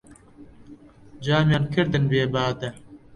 جامیان کردن بێ بادە